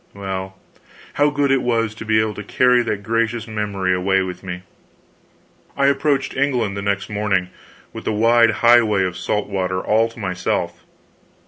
Well, how good it was to be able to carry that gracious memory away with me! I approached England the next morning, with the wide highway of salt water all to myself.